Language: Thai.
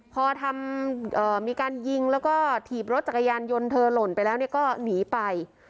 พอทำมีการยิงแล้วก็ถีบรถจักรยานยนต์เธอหล่นไปแล้วก็หนีไป